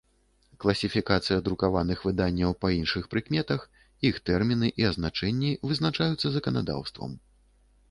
Класiфiкацыя друкаваных выданняў па iншых прыкметах, iх тэрмiны i азначэннi вызначаюцца заканадаўствам.